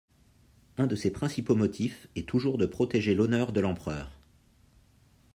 Un de ses principaux motifs est toujours de protéger l'honneur de l'empereur.